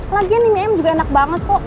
lagian ini mie em juga enak banget kok